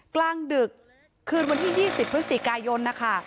กลางดึกคืนวันที่๒๐พฤศจิกายนนะคะ